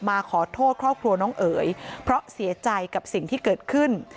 มาขอโทษครอบครัวน้องเอ๋ยเพราะเสียใจกับสิ่งที่เกิดขึ้น